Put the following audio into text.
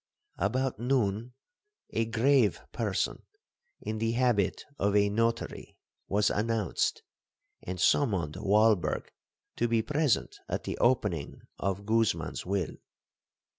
About noon a grave person, in the habit of a notary, was announced, and summoned Walberg to be present at the opening of Guzman's will.